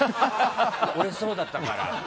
俺そうだったから。